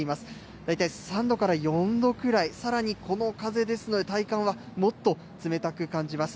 大体３度から４度くらい、さらにこの風ですので体感はもっと冷たく感じます。